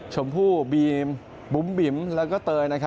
ชมพู่บีมบุ๋มบิ๋มแล้วก็เตย